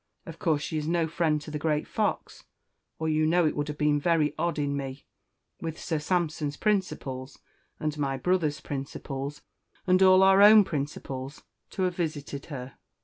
Of course she is no friend to the great Fox; or you know it would have been very odd in me, with Sir Sampson's principles, and my poor brother's principles, and all our own principles, to have visited her.